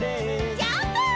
ジャンプ！